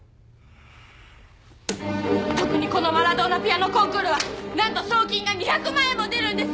特にこのマラドーナピアノコンクールはなんと賞金が２００万円も出るんです！